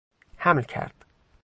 حمل کرد